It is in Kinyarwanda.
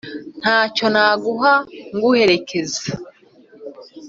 Ntacyo naguha nguherekeza